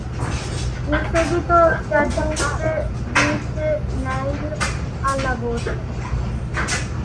In seguito si aggiunse Vince Neil alla voce.